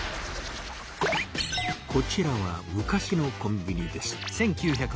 こちらは昔のコンビニです。